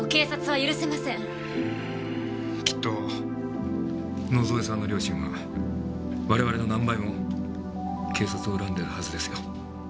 きっと野添さんの両親は我々の何倍も警察を恨んでるはずですよ。